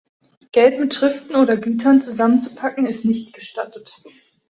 Geld mit Schriften oder Gütern zusammen zu packen ist nicht gestattet.